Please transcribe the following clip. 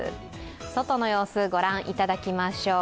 外の様子御覧いただきましょう。